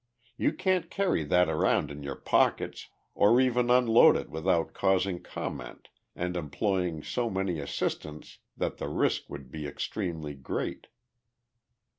You can't carry that around in your pockets or even unload it without causing comment and employing so many assistants that the risk would be extremely great.